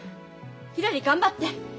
ひらり頑張って。